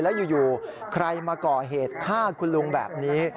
แล้วอยู่ใครมาก่อเหตุฆ่าคุณลุงแบบนี้